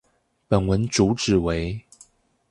本文主旨為